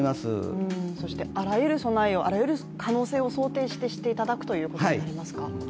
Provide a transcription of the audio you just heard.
そしてあらゆる備えを、あらゆる可能性を想定してしていただくことになりますか？